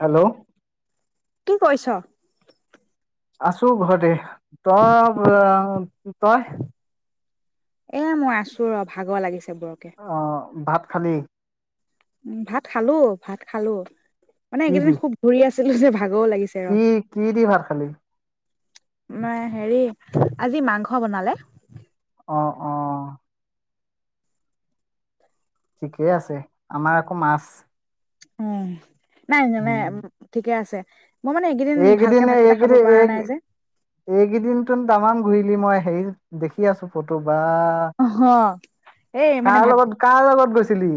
Hello! কি কৰিছ? আছো ঘৰতে। তই [unintelligible] তই? এ, মই আছো ৰ, ভাগৰ লাগিছে বৰকে। অ', ভাত খালী? ভাত খালো, ভাত খালো, মানে কি দি এইকেইদিন খুব ঘূৰি আছিলো যে ভাগৰ লাগিছে। ৰ। কি', কি' দি ভাত খালি? [unintelligible] হেৰি আজি মাংস বনালে। অ', অ'। ঠিকে আছে, আমাৰ আকৌ মাছ। অ, নাই উম [unintelligible] ঠিকে আছে। মই মানে এইকেইদিন ভালকে ভাতকেইটা খাব পৰা নাই যে। এইকেইদিন তামান ঘূৰিলি, মই হেৰি দেখি আছো ফটো। বা। অ, হ, এ, মানে কাৰ ভাত লগত কাৰ লগত গৈছিলি?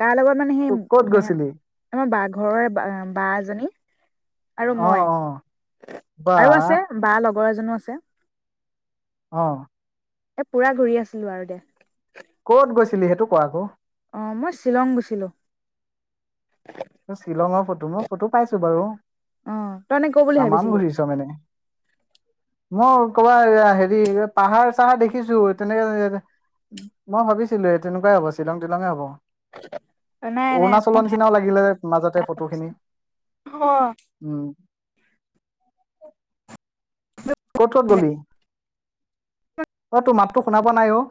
কাৰ লগত মানে, ক'ত সেই গৈছিলি আমাৰ ঘৰৰে বা, বা এজনী আৰু অ মই, অ বা আৰু আছে বা লগৰ এজনো আছে। অ'। এ পুৰা ঘূৰি আছিলো আৰু দে। ক'ত গৈছিলি? সেইটো ক আকৌ। অ', মই শ্বিলং গৈছিলোঁ। শ্বিলঙৰ ফটো। মই ফটো পাইছো বাৰু! অ তই এনে ক বুলি তামাম ভাবিছিলি? ঘূৰিছ মানে। মই ক'ৰবাৰ হেৰি পাহাৰ-চাহাৰ দেখিছো, তেনেকে। [unintelligible] মই ভাবিছিলো, এই তেনেকুৱাই হ'ব শ্বিলং-তিলংয়ে হ'ব। নাই নাই অৰুণাচলৰ নিচিনাও লাগিলে মাজতে ফটো খিনি। অ উম। [unintelligible] ক'ত ক'ত গলি? মই তোৰ মাতটো শুনা পোৱা নাই অ'।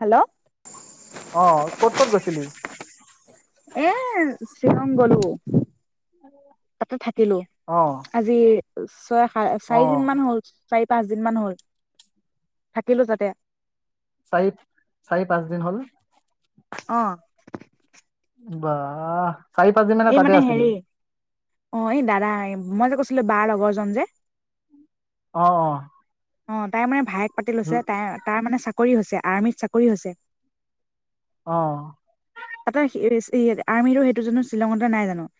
হেল্ল'! অ', ক'ত ক'ত গৈছিলি? এ, শ্বিলং গ'লো, তাতে থাকিলো, অ [unintelligible] [unintelligible] অ চাৰিদিন মান হ'ল। চাৰি-পাঁচ দিন মান হ'ল, থাকিলো তাতে। চাৰি, চাৰি-পাঁচ দিন হ'ল। অ'। বাহ'। এই মানে হেৰি অ', এই দাদা, এই মই যে কৈছিলো বা লগৰজন যে অ', অ'। অ', তাই মানে ভায়েক পাতি লৈছে, তাই তাৰ মানে চাকৰি হৈছে, আৰ্মিত চাকৰি হৈছে। অ'। তাৰটো সেই এ আৰ্মিটো সেইটো জানো শ্বিলঙতে নাই জানো।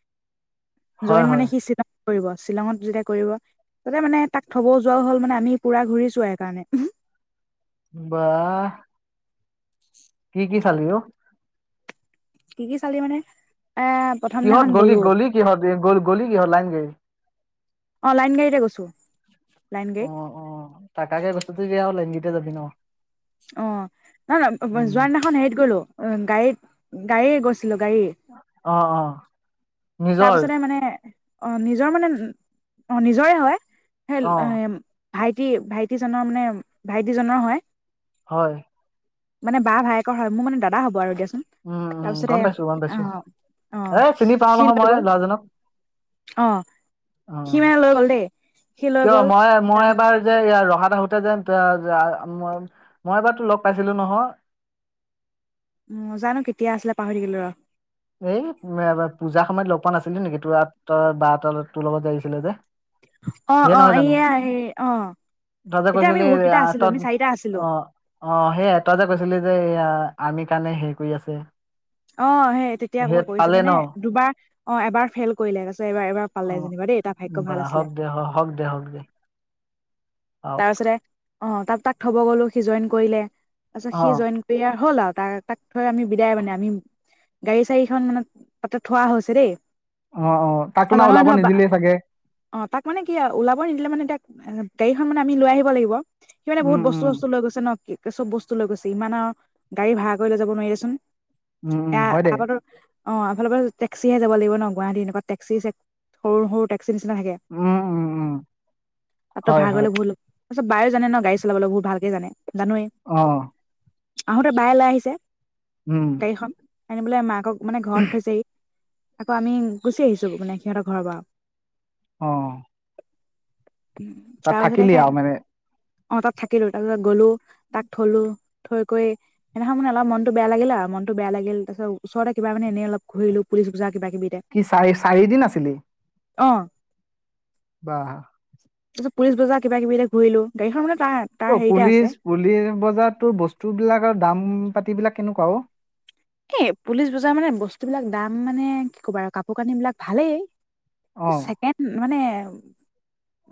হয় জইন মানে হয় সি শ্বিলঙ কৰিব, শ্বিলঙত যেতিয়া কৰিব তাতে মানে তাক থব যোৱাও হ'ল মানে আমি পুৰা ঘূৰিছো আৰু সেইকাৰণে। বাহ'। কি কি চালি অ? কি কি চালি মানে এ প্ৰথম কিহত দিনাখন গলি, গ'লো গলি' কিহত গলি কিহত লাইন গাড়ী অঁ লাইন গাড়ীতে গৈছোঁ, লাইন গাড়ীত। অঁ তাকে বস্তুতো দেয়া হ'ল সিহঁত কেইটা যাবি ন। অঁ, নহয় নহয় উম, যোৱা দিনাখন হেৰিত গ'লো, গাড়ীত গাড়ী গৈছিলো গাড়ী। অ', অ', তাৰ নিজৰ পিছতে মানে। অঁ, নিজৰ মানে, অঁ নিজৰে হয়। সেই অ', ভাইটি ভাইটিজনৰ মানে, ভাইটিজনৰ হয়। হয়। মানে বা ভায়েকৰ হয়, মোৰ মানে দাদা হ'ব আৰু দিয়াচোন। উম, উম, গম তাৰপিছতে, পাইছো গম পাইছো অঁহ এ চিনি অঁহ পাও নহয় শিল মই পাগল। ল'ৰাজনক অঁ, অ'। সি মানে লৈ গ'ল দেই। সি লৈ কিয় গ'ল মই তাৰ মই এবাৰ যে ইয়াৰ ৰহাত আহোতে যে মই এবাৰ তোক লগ পাইছিলোঁ নহয়। উ জানো কেতিয়া আছিলে, পাহৰি থাকিলো ৰহ। এই বা পূজাৰ সময়ত লগ পোৱা নাছিলো নেকি, তোৰ বা তোৰ লগত যে আহিছিলে যে। অঁ সিয়ে অঁ, নহয় জানো এইয়া এ অঁ। তই যে কৈছিলি আহ তত আছিলো অঁ। অঁ, সেইয়া তই যে কৈছিলি যে এয়া আৰ্মি কাৰণে হেৰি কৰি আছে। অঁ, সেই তেতিয়া এবাৰ কৰিছোঁ পালে ন মানে দুবাৰ অঁ, এবাৰ ফেইল কৰিলে, তাৰপিছত এবাৰ এবাৰ পালে যেনিবা দেই তাৰ ভাগ্য ভা অ, হওঁক দে হওঁক দে হওঁক দে। অ', তাৰপাছতে, অঁ তাক তাক থব গলো সি জইন কৰিলে। তাৰপিছত অ'। সি জইন কৰি আৰু হ'ল আৰু তাৰ তাক থৈ আমি বিদায় মানে, আমি গাড়ী চাৰিখন মানে তাতে থোৱা হৈছে দেই। অঁ অঁ, তাক তোনা আৰু ওলাব নিদিলেই চাগে? অঁ, তাক মানে কি ওলাব নিদিলে মানে তাক গাড়ীখন মানে আমি লৈ আহিব লাগিব। সিমানে বহুত উম বস্তু উম চস্তু লৈ গৈছে ন সি চব বস্তু লৈ গৈছে ইমান আৰু, গাড়ী ভাড়া কৰি লৈ যাব নোৱাৰি দেচোন, উম উম এয়া হয় দে আগতে অঁ, এই ফালৰ পৰা টেক্সিহে যাব লাগিব ন। গুৱাহাটী এনেকুৱ টেক্সি, সৰু সৰু টেক্সি নিচনা থাকে। উম, উম, উম হয় ভাড়াঘৰৰ হয় লৈ গলো, তাৰপিছত বায়ে জানে ন গাড়ী চলাবলৈ বহুত ভালকে জানে, জানৱই। অঁ। আহোতে বায়ে লৈ আহিছে। উম। গাড়ীখন আনিবলৈ মাকক মানে ঘৰত থৈছেহি। আকৌ আমি গুচি আহিছো, মানে সিহঁতৰ ঘৰৰ পৰা। অঁ। তাৰপিছতে থাকিলি সেইয়া। আৰু মানে অঁ, তাত থাকিলো তাৰপিছত গ'লো। তাক থলো, থৈ কৰি সেইদিনা খন মানে অলপ মনটো বেয়া লাগিলে আও, মনটো বেয়া লাগিল। তাৰপিছত ওচৰতে কিবা মানে এনে অলপ ঘুৰিলো পুলিচ বজাৰত কিবা কিবিতে। কি চাৰি চাৰিদিন আছিলি? অ'। বা! তাৰপিছত পুলিচ বজাৰ কিবা কিবিতে ঘূৰিলো গাড়ীখন মানে তাৰ। তাৰ অ', হেৰিতে আছে পুলিচ পুলিচ বজাৰত তোৰ বস্তুবিলাকৰ দাম পাতিবিলাক কেনেকুৱা অ'? এ পুলিচ বজাৰ মানে বস্তুবিলাক দাম মানে কি ক'বা আৰু কাপোৰ কানিবিলাক ভালেই। অ এ ছেকেণ্ড মানে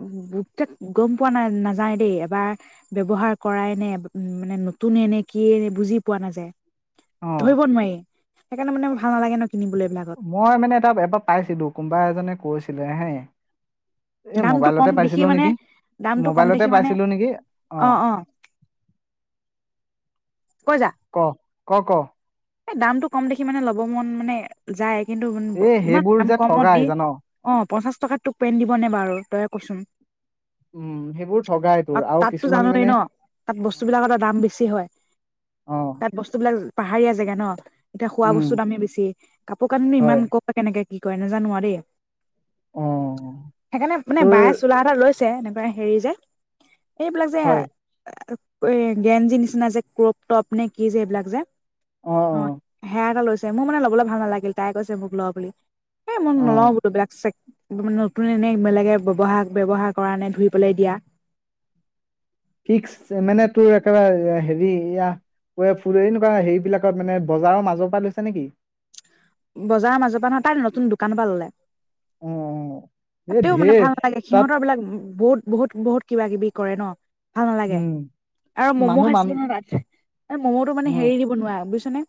উম, তাত গম পোৱা নাই নাযায় দেই এবাৰ ব্যৱহাৰ কৰাই নে মানে নতুনে নে কি বুজি পোৱা নাযায়। অ ধৰিব নোৱাৰি। সেইকাৰণে মানে ভাল নালাগে ন কিনিবলৈ এইবিলাকত। মই মানে এটা এবাৰ পাইছিলোঁ, কোনোবা এজনে কৈছিলে হে। এ, দামটো কম মোবাইলতে দেখি পাইছিলো মানে নেকি, দামটো কম মোবাইলতে দেখি মানে পাইছিলো নেকি অ'। [inaudible] কৈ যা। ক ক ক। এই দামতটো কম দেখি মানে ল'ব মন মানে যায়। কিন্তু এই ইমান সেইবোৰ দাম যে কমত ঠগাই দি জান অ', পঞ্চাশ টকাত তোক পেণ্ট দিব নে বাৰু তইয়ে কচোন? উম, সেইবোৰ ঠগাই তোৰ আৰু তাততো কিছুমান জানৱেই ন মানে তাত অ বস্তুবিলাকৰ দাম বেছি হয়। অ তাত বস্তুবিলাক পাহাৰীয়া জেগা ন। এতিয়া খোৱা বস্তু উম দামেই বেছি কাপোৰ কানি নো ইমান হয় ক'ৰ পৰা কেনেকে কি কৰে নোজানো আৰু দেই। অ এইকাৰণে মানে বায়ে তোৰ চোলা এটা লৈছে এনেকুৱা হেৰি যে। এইবিলাক যে এ এ হয় এই গেঞ্জীৰ নিচিনা যে ক্ৰ'প টপ নে কি যে এইবিলাক যে। অ', সেয়া কে লৈছে মোৰ মানে ল'বলৈ ভাল নালাগিল তাই কৈছে মোক ল' বুলি। এই মই অ নলওঁ বোলো এইবিলাক চেক নতুনে নে নে বেলেগে ব্যৱহাৰ ব্যৱহাৰ কৰা নে ধুই পেলাই দিয়া। ফিক্স মানে তোৰ একেবাৰে হেৰি এইয়া ফুল এনেকুৱা হেৰিবিলাকত মানে বজাৰৰ মাজৰ পৰা লৈছা নেকি? বজাৰৰ মাজৰ পৰা নহয়, তাই নতুন দোকানৰ পৰা ল'লে। অ অ এ তেওঁ মানে ঢেৰ ভাল নালাগে তাত সিহঁতৰবিলাক বহুত বহুত বহুত কিবা কিবি কৰে ন। ভাল নালাগে উম। আৰু ম'ম' মানুহ মান খাইছিলো নহয় তাত ম'ম'টো মানে উম হেৰি দি বনোৱা বুজিছনে।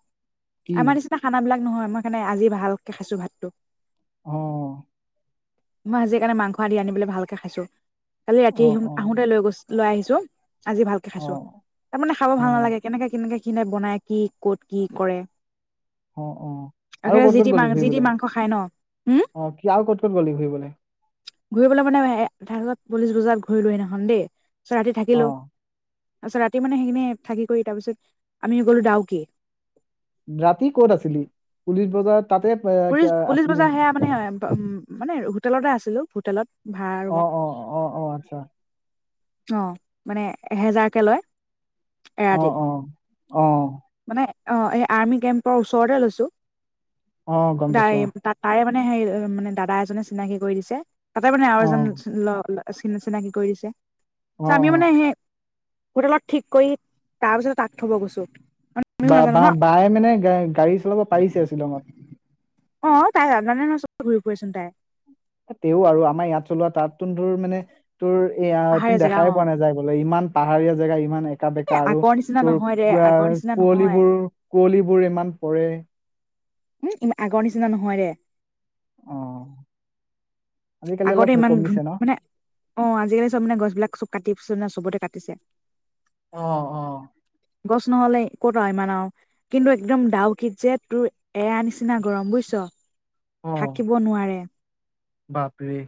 কি আমাৰ নিচিনা খানাবিলাক নহয় মই সেইকাৰণে আজি ভালকে খাইছো ভাতটো। অ'। মই আজি সেইকাৰণে মাংস আদি আনি বোলো ভালকে খাইছো কালি অ ৰাতি অ আহোতে লৈ গৈছ লৈ আহিছো আজি ভালকে অ খাইছো, তাৰমানে খাব অ ভাল নালাগে। কেনেকে কেনেকে কিনে বনাই কি ক'ত কি কৰে। অ', অ', আৰু একেবাৰে ক'ত যি ক'ত টি মাং গলি যি টি ঘূৰিবলে মাংস খায় ন। উম, অ' কি আৰু ক'ত ক'ত গ'লি ঘূৰিবলে? ঘূৰিবলৈ মানে হে হে পুলিছ বজাত ঘূৰিলো সেইদিনাখন দেই, তাৰপিছত ৰাতি অ থাকিলো। তাৰপাছত ৰাতি মানে সেইখিনি থাকি কৰি তাৰপিছত আমি গ'লো ডাউকী। ৰাতি ক'ত আছিলি পুলিচ বজাৰৰ তাতে পুলিচ পুলিচ আছিলি বজাৰ সেয়া মানে উম মানে হোটেলতে আছিলো হোটেলত ভাড়া অ ৰুমত। অ অ অ আচ্ছা অ', মানে এহেজাৰকে লয় অ এৰাতিত। অ অ মানে অ' এই আৰ্মি কেম্পৰ ওচৰতে লৈছো অ গম পাইছো অ তাই তাত তাৰে মানে সেই মানে দাদা এজনে চিনাকি কৰি দিছে। তাতে মানে আৰু অ এজন অ' চিন চিনাকি কৰি দিছে। অ চ' আমি অ মানে সেই হোটেলত ঠিক কৰি, তাৰ পিছত তাক থব গৈছো। বা বা বায়ে মানে গা গা গাড়ী চলাব পাৰিছে শ্বিলঙত? অ' তাই জানে নহয় চবতে ঘূৰি ফুৰেচোন তাই তেওঁ আৰু আমাৰ ইয়াত চলোৱা তাত তোন তোৰ মানে তোৰ এয়া টো পাহাৰীয়া জেগা দেখাই অঁ পোৱা নাযায়। বোলে ইমান পাহাৰীয়া জেগা ইমান একা এ বেকা আৰু আগৰ নিচিনা তোৰ নহয় দে আগৰ নিচিনা কুঁৱলী নহয় বোৰো কুঁৱলীবোৰ ইমান পৰে উম। উম আগৰ নিচিনা নহয় দে! অ আজিকালি আগতে অলপ ইমান ধুন কমিছে ন মানে অ' আজিকালি চব মানে গছবিলাক চব কাটিছে নে চবতে কাটিছে। অ' অ', গছ নহলে, একেতো নহয় আৰু ইমান আৰু কিন্তু একদম ডাউকীত যে তোৰ এইয়া নিচিনা গৰম বুজিছ? অ থাকিব নোৱাৰে। বাপৰে!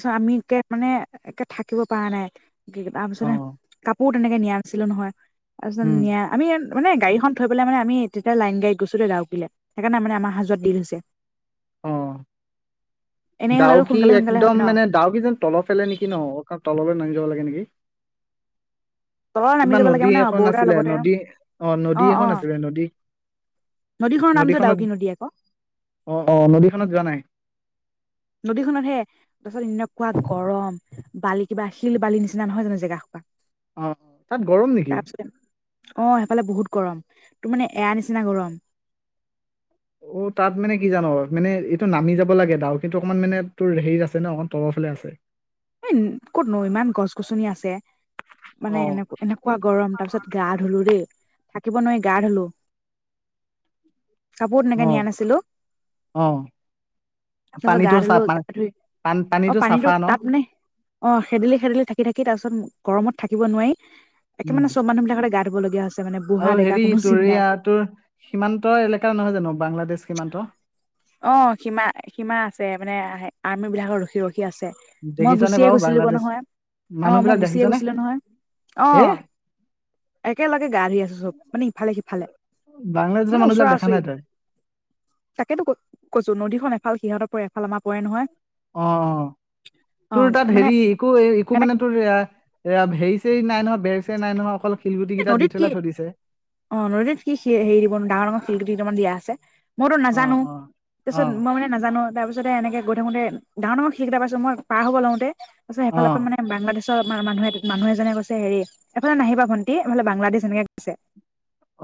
চ' আমি একে মানে একে থাকিব পৰা নাই কি অ তাৰপিছতে কাপোৰ তেনেকে মিয়া নাছিলো নহয়, তাৰপিছত উম নিয়া আমি ই মানে গড়ীখন থৈ পেলাই মানে আমি তেতিয়া লাইন গাই গৈছিলোঁ ডাউকীলে। সেইকাৰণে আ' মানে আমাৰ অহা- যোৱাত দেৰি হৈছে। অ এনেই হ'লে টো ডাউকি সোন একদম মানে ডাউকী যেন তলৰ ফালে নেকি ন অকণমান তললৈ নামি যাব লাগে নেকি? তলত নামি কিবা যাব লাগে নদী মানে এখন বৰদাৰ আছিলে লগতে নদী অ' নদী এখন আছিলে নদী। নদীখনৰ নামটো নদীখনত ডাউকি নদী আকৌ অ, অ নদীখনত যোৱা নাই। নদীখনতহে - তাৰপাছত এনেকোৱা গৰম বালি কিবা শিল বালি নিচিনা নহয় জানো জেগা হোপা? অ অ, তাত গৰম নেকি [inaudible] অ সেইফালে বহুত গৰম তোৰ মানে এয়া নিচিনা গৰম। অ তাত মানে কি জান মানে এইটো নামি যাব লাগে ডাউকী কিন্তু অকমান মানে তোৰ হেৰী আছে ন তলৰফালে আছে। এন ক'তনো ইমান গছ গছনি আছে মানে অ এনেকুৱা এনেকুৱা গৰম তাৰ পাছত গা ধুলো দেই থাকিব নোৱাৰি গা ধুলো। কাপোৰ তেনেকে অ নিয়া নাছিলোঁ। অ তাৰ পাছত গা পানীটো চা ধুলো পা গা ধুই পান অ পানীটো চাফা ন পানীতটো তাপ নে - অ খেদেলি খেদেলি থাকি থাকি তাৰ পাছত গৰমত থাকিব নোৱাৰি একে মানে চব মানুহ বিলাকে গা - লবলগীয়া আছে। ঔ হেৰি তোৰ এয়াই তোৰ সীমান্ত এলেকা নহয় জানো বাংলাদেশ সীমান্ত? অ, সীমা সীমা আছে মানে আৰ্মী বিলাক ৰখি ৰখি আছে। মই দেখিছনে গুচিয়ে বাৰু গৈছিলো গৈ বাংলাদেশ নহয়। অ মানুহ মই বিলাক গুচিয়ে দেখিছনে গৈছিলো নহয় এ অঁ। একেলগে গা ধুই আছে চব মানে ইফালে সিফালে। বাংলাদেশ মানে মানুহবিলাক ওচৰা দেখা ওচৰি নাই তই। তাকেতো কৈছো নদীখন এফাল সিহঁতৰ পৰে এফাল আমাৰ পৰে নহয়। অঁ তোৰ অ', তাত মানে হেৰি ইকো ইকো এ মানে তোৰ এয়া হেৰী - হেই নাই নহয় বেৰ চেৰ নাই নহয় অকল শিলগুটি কেইটা দি নদীত কি থেলাই থৈ দিছে। অ নদীত সি সি এই ডাঙৰ ডাঙৰ শিলগুটি কেইটামান দিয়া আছে। মইতো অ নাজানো অ তাৰ অ পাছত মই মানে নাজানো তাৰ পিছতে এনেকে গৈ থাকোতে মই ডাঙৰ ডাঙৰ শিল কেইটা পাইছো মই পাৰ হব লওঁতে অ হেইফালৰ পৰা মানে - বাংলাদেশৰ মানুহে মানুহ এজনে কৈছে হেৰি এইফালে নাহিবা ভণ্টি এইফালে বাংলাদেশ এনেকে কৈছে।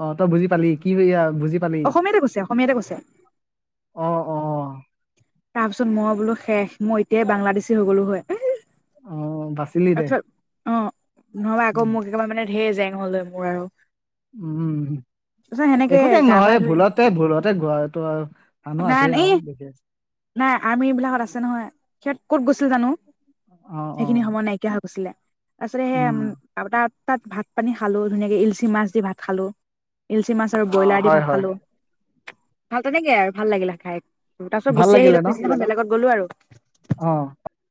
অ', তই বুজি পালি, কি এয়া বুজি পালি অসমীয়াতে কৈছে, অসমীয়াতে কৈছে। অ', অ'। তাৰপিছত মই বোলো শেষ, মই এতিয়াই বাংলাদেশী হৈ গ'লো হয়। অ বাচিলি দে তাৰপিছত অ' নহ'বা আকৌ উম মোক একেবাৰে মানে ঢেৰ জেং হ'ল হয় মোৰ আৰু উম। তাৰপিছত সেনেকে একো জে‍ং গা পা নহয় এ, ধুই ভুলতে ভুলতে গৰটো আৰু মানুহ নাই আছে এই আৰু [unintelligible] নাই আৰ্মিবিলাকত আছে নহয়, সিহঁত ক'ত গৈছিল জানো। অ', অ'। হেখিনি সময় নাইকিয়া হৈ গৈছিলে তাৰপাছতে হে উম [unintelligible] তাত ভাত পানী খালোঁ ধুনীয়াকে, ইলচি মাছ দি ভাত খালোঁ, ইলচি মাছ আৰু অ ব্ৰইলাৰ দি হয় ভাত হয় খালোঁ, ভাল তেনেকে আৰু ভাল লাগিলা খাই। তাৰপাছত ভাল গুচি লাগিলে আহিলোঁ, ন পিছদিনাখন বেলেগত গ'লোঁ আৰু। অ'।